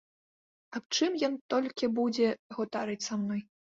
Аб чым ён будзе гутарыць са мной?